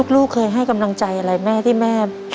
ลูกเคยให้กำลังใจอะไรแม่ที่แม่